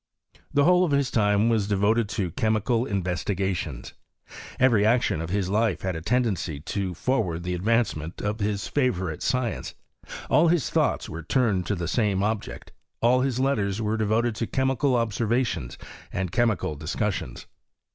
The whole of his time was devoted to chemical investigations. Every action FsoGHEss OF cnEMtsTur iw Sweden. 59 of liis life had a tendency to forward the advance ment of his favourite science; all his thoughts were turned to the same object ; all hia letters were devoted to chemical observations and chemical dis cussions.